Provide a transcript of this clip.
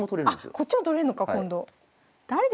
こっちも取れんのか今度。